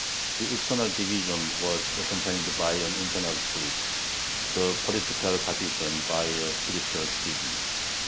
The external division was accompanied by an internal split; the political partition, by a spiritual schism.